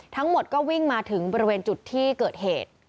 ทั้งหมดก็วิ่งมาถึงบริเวณจุดที่เกิดเหตุ